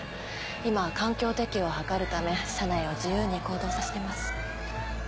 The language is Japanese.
今は環境適応を図るため社内を自由に行動させてます。